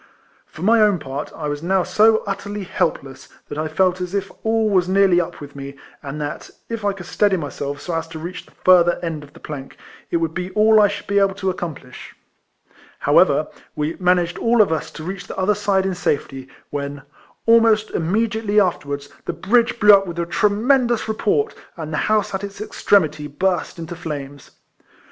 For my own part, I was now so utterly helpless, that I felt as if all was nearly up with me, and that, if I could steady myself so as to reach the further end of the plank, it would be all I should be able to accomplish. However, we managed all of us to reach the other side in safety, when, almost immediately afterwards, the 1 7G RECOLLECTIONS OF bridge blew up with a tremendous report, and a house at its extremity burst into flames.